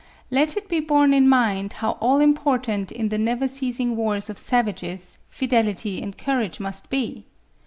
Let it be borne in mind how all important in the never ceasing wars of savages, fidelity and courage must be.